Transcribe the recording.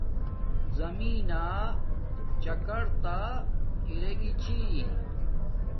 زمین نا چکر تا ارے گی چھی